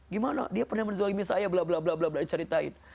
gimana dia pernah menzalimi saya bla bla bla ceritain